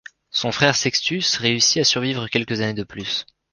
Son frère Sextus réussit à survivre quelques années de plus.